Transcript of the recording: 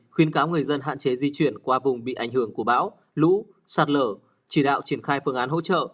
khuyến cáo người dân hạn chế di chuyển qua vùng bị ảnh hưởng của bão lũ sạt lở chỉ đạo triển khai phương án hỗ trợ